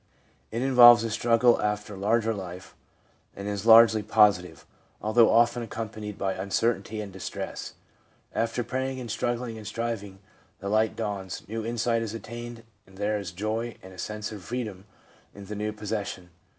It involves a struggle after larger life, and is largely positive, although often accompanied by uncertainty and distress. After praying, and struggling and striv ing, the light dawns, new insight is attained, and there is joy and a sense of freedom in the new possession.